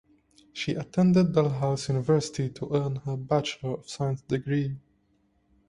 She attended Dalhousie University to earn her Bachelor of Science degree.